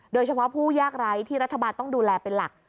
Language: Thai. โดยเฉพาะผู้ยากไร้ที่รัฐบาลต้องดูแลเป็นหลัก